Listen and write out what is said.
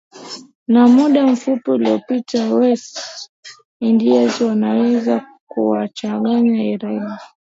na muda mfupi uliopita west indies wameweza kuwachabanga ireland